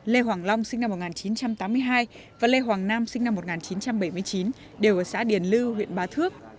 lê hoàng long sinh năm một nghìn chín trăm tám mươi hai và lê hoàng nam sinh năm một nghìn chín trăm bảy mươi chín đều ở xã điền lưu huyện bá thước